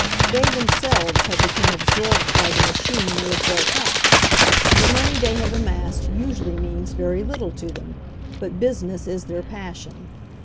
They themselves have become absorbed by the machine they have built up. The money they have amassed usually means very little to them, but business is their passion.